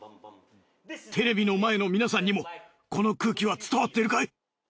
テレビの前の皆さんにもこの空気は伝わっているかい？